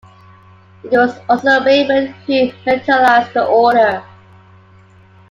It was also Raymond who militarised the order.